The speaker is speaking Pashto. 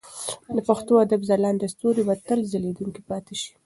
د پښتو ادب ځلانده ستوري به تل ځلېدونکي پاتې شي.